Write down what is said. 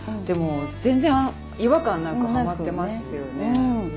でも全然違和感なくハマってますよね。